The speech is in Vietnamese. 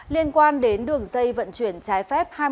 liên quan đến đường dây vận chuyển trái phép